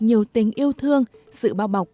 nhiều tình yêu thương sự bao bọc